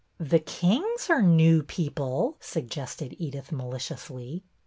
''" The Kings are ' new people,' " suggested Edyth, maliciously.